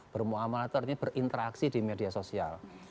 bermu'amalah itu artinya berinteraksi di media sosial